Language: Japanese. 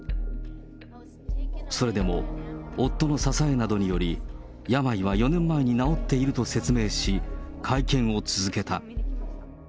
それでも、夫の支えなどにより、病は４年前に治っていると説明し、会見を続けた。